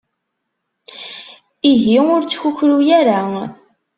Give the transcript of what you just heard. Ihi ur ttkukru ara.